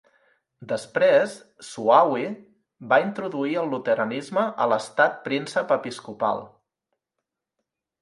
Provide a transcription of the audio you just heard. Després, Suawe va introduir el luteranisme a l'estat príncep-episcopal.